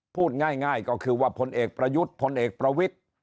พูดง่ายก็คือว่าพลเอกประยุทธ์พลเอกประวิทธิ์